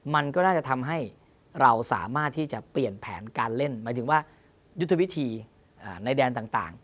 มันก็น่าจะทำให้เราสามารถที่จะเปลี่ยนแผนการเล่นหมายถึงว่ายุทธวิธีในแดนต่าง